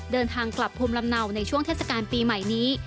เดินทางกลับภูมิลำเนาในช่วงเทศกาลปีใหม่นี้